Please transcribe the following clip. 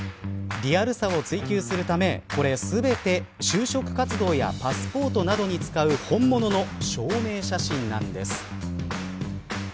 リアルさを追求するためこれ全て就職活動やパスポートなどに使う本物の証明写真なんです。